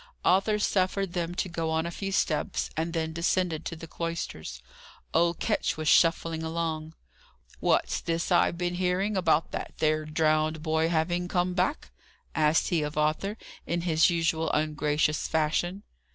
Arthur suffered them to go on a few steps, and then descended to the cloisters. Old Ketch was shuffling along. "What's this I've been a hearing, about that there drownded boy having come back?" asked he of Arthur, in his usual ungracious fashion.